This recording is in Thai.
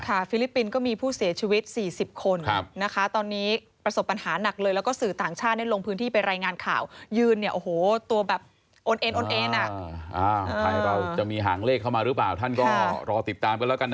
ค่ะฟิลิปปินต์ก็มีผู้เสียชีวิต๔๐คน